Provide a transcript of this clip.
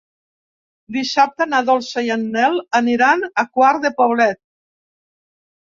Dissabte na Dolça i en Nel aniran a Quart de Poblet.